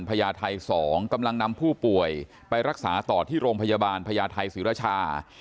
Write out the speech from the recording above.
พญาไทย๒กำลังนำผู้ป่วยไปรักษาต่อที่โรงพยาบาลพญาไทยศรีรชา